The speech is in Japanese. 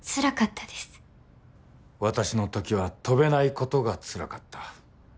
私の時は飛べないことがつらかった。